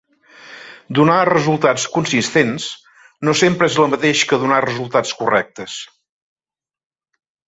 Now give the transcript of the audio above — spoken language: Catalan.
Donar resultats consistents no sempre és el mateix que donar resultats correctes.